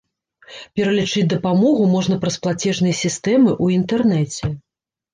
Пералічыць дапамогу можна праз плацежныя сістэмы ў інтэрнэце.